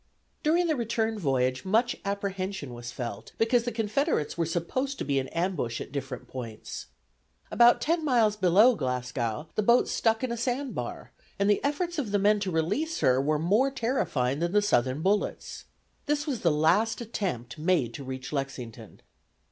During the return voyage much apprehension was felt, because the Confederates were supposed to be in ambush at different points. About ten miles below Glasgow the boat stuck in a sand bar, and the efforts of the men to release her were more terrifying than the Southern bullets. This was the last attempt made to reach Lexington.